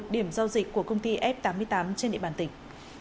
một mươi một điểm giao dịch của công ty f tám mươi tám trên địa bàn tỉnh